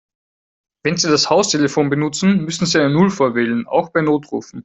Wenn Sie das Haustelefon benutzen, müssen Sie eine Null vorwählen, auch bei Notrufen.